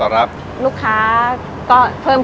ประกาศรายชื่อพศ๒๕๖๑